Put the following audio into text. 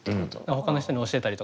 ほかの人に教えたりとかは？